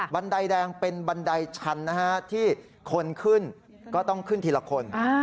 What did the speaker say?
ันไดแดงเป็นบันไดชันนะฮะที่คนขึ้นก็ต้องขึ้นทีละคน